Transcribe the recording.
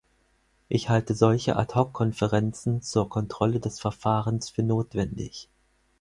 Ich halte solche ad hoc-Konferenzen zur Kontrolle des Verfahrens für notwendig.